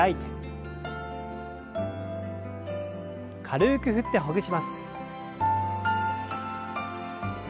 軽く振ってほぐします。